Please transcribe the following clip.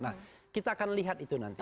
nah kita akan lihat itu nanti